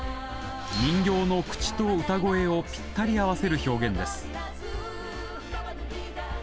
人形の口と歌声をぴったり合わせる表現です。